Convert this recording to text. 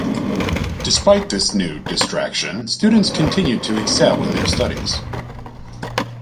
Despite this new "distraction," students continued to excel in their studies.